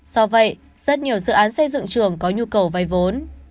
do vậy rất nhiều dự án xây dựng trường có nhu cầu vay vốn